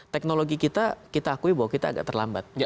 teknologi kita kita akui bahwa kita agak terlambat